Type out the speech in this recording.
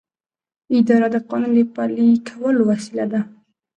اداره د قانون د پلي کولو وسیله ده.